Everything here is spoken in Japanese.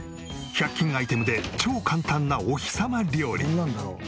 １００均アイテムで超簡単なお日さま料理。